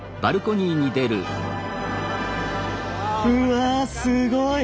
うわすごい！